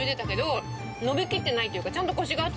伸びきってないっていうかちゃんと。